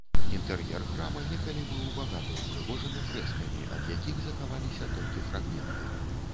Інтэр'ер храма некалі быў багата ўпрыгожаны фрэскамі, ад якіх захаваліся толькі фрагменты.